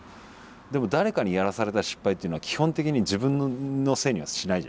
でも誰かにやらされた失敗っていうのは基本的に自分のせいにはしないじゃないですか。